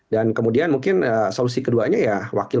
dan kemudian mungkin solusi keduanya ya wakil